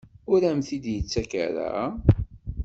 Ur am-t-id-yettak ara?